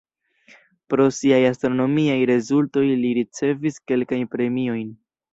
Pro siaj astronomiaj rezultoj li ricevis kelkajn premiojn.